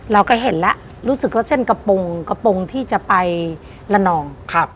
เราก็เห็นแล้วรู้สึกว่าเส้นกระโปรงกระโปรงที่จะไปละนอง